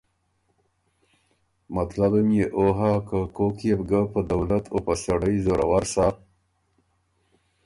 مطلبه ميې او هۀ که کوک يې بو ګه په دولت او په سړئ زورآور سَۀ